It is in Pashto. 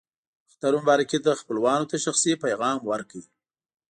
اختر مبارکي ته خپلوانو ته شخصي پیغام ورکړئ.